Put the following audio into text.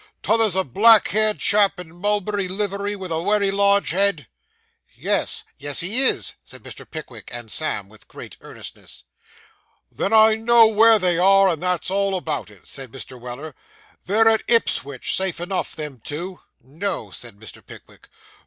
'T' other's a black haired chap in mulberry livery, with a wery large head?' 'Yes, yes, he is,' said Mr. Pickwick and Sam, with great earnestness. 'Then I know where they are, and that's all about it,' said Mr. Weller; 'they're at Ipswich, safe enough, them two.' 'No!' said Mr. Pickwick.